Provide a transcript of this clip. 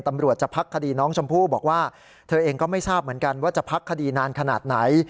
ตำรวจจะพักคดีน้องชมพู่บอกว่าเธอเองก็ไม่ทราบเหมือนกันว่าจะพักคดีนานขนาดไหน